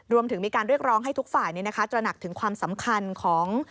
รวมถึงมีการเรียกร้องให้ทุกฝ่ายตระหนักถึงความสำคัญของ